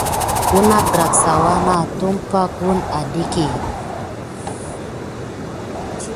Ounagrassa wuna akou dumpay aɗéke.